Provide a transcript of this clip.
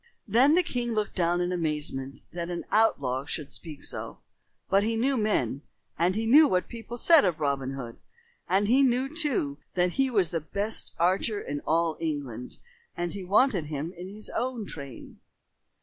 Then the king looked down in amazement that an outlaw should speak so. But he knew men, and he knew what people said of Robin Hood. And he knew, too, that he was the best archer in all England and he wanted him in his own train.